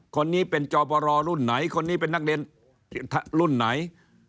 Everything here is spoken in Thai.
คนนี้เป็นจอบรอรุ่นไหนคนนี้เป็นนักเรียนรุ่นไหน